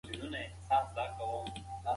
ککړه هوا هم اغېز لري.